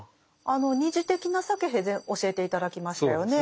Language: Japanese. あの「二次的なサケヘ」で教えて頂きましたよね。